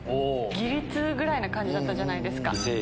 ギリツーぐらいな感じだったじゃないですか。